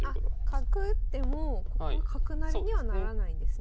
角打ってもここ角成りにはならないんですね